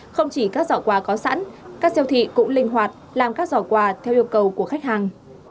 không chỉ các giỏ quà có sẵn các siêu thị cũng linh hoạt làm các giỏ quà theo yêu cầu của khách hàng